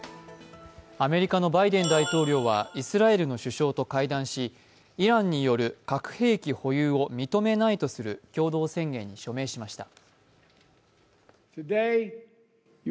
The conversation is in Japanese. アメリカのバイデン大統領はイスラエルの首相と会談しイランによる核兵器保有を認めないとする共同宣言に署名しました。